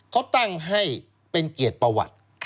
เขาตั้งให้เป็นเกียรติประวัติ